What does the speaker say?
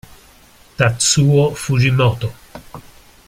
Tatsuo Fujimoto